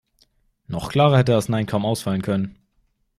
Noch klarer hätte das Nein kaum ausfallen können.